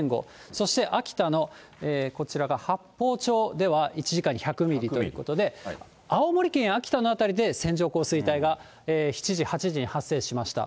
そして秋田の、こちらが八峰町では１時間に１００ミリということで、青森県や秋田の辺りで線状降水帯が７時、８時に発生しました。